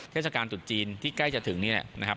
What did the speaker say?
เทศกาลตุดจีนที่ใกล้จะถึงนี่แหละนะครับ